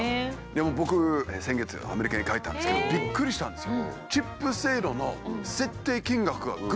でも僕先月アメリカに帰ったんですけどびっくりしたんですよ。